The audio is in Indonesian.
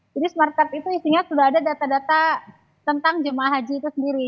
jadi smart card itu isinya sudah ada data data tentang jemaah haji itu sendiri